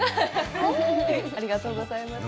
ありがとうございます。